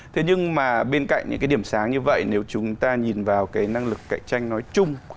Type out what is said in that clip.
thế nhưng mà bên cạnh những cái điểm sáng như vậy nếu chúng ta nhìn vào cái năng lực cạnh tranh nói chung